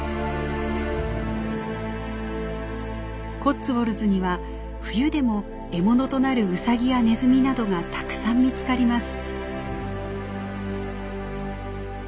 コッツウォルズには冬でも獲物となるウサギやネズミなどがたくさん見つかります。